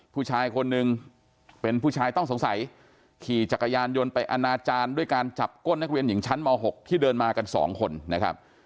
ผู้ชายคนนึงเป็นผู้ชายต้องสงสัยขี่จักรยานยนต์ไปอนาจารย์ด้วยการจับก้นนักเรียนหญิงชั้นม๖ที่เดินมากันสองคนนะครับ